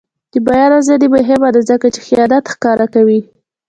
د بیان ازادي مهمه ده ځکه چې خیانت ښکاره کوي.